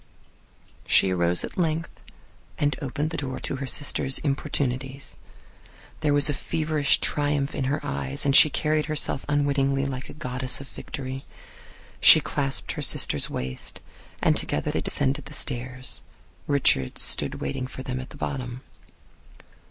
She arose at length and opened the door to her sister's importunities. There was a feverish triumph in her eyes, and she carried herself unwittingly like a goddess of Victory. She clasped her sister's waist, and together they descended the stairs. Richards stood waiting for them at the bottom.